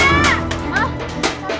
eh bangun ya ayah